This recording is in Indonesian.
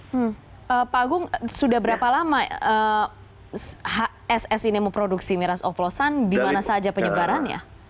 hmm pak agung sudah berapa lama hss ini memproduksi miras oplosan di mana saja penyebarannya